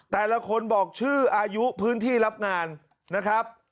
แต่ละคนบอกชื่ออายุพื้นที่รับงานนะครับ